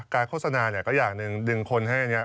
โฆษณาเนี่ยก็อย่างหนึ่งดึงคนให้อันนี้